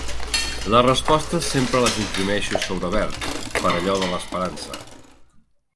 Les respostes sempre les imprimeixo sobre verd, per allò de l'esperança.